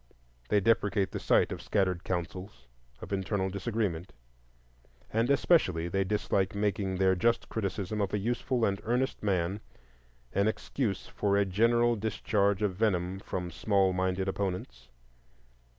They deprecate the sight of scattered counsels, of internal disagreement; and especially they dislike making their just criticism of a useful and earnest man an excuse for a general discharge of venom from small minded opponents.